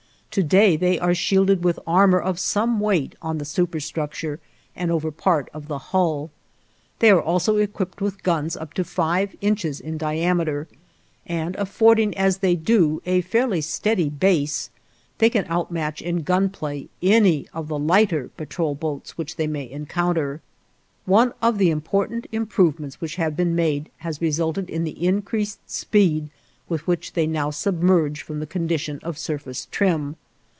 To day, they are shielded with armor of some weight on the superstructure and over part of the hull. They are also equipped with guns up to five inches in diameter, and, affording, as they do, a fairly steady base, they can outmatch in gun play any of the lighter patrol boats which they may encounter. One of the important improvements which have been made has resulted in the increased speed with which they now submerge from the condition of surface trim.